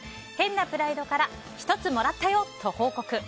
変なプライドから１つもらったよ！と報告。